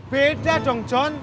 beda dong john